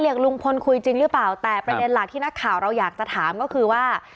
ลุงพลคุยจริงหรือเปล่าแต่ประเด็นหลักที่นักข่าวเราอยากจะถามก็คือว่า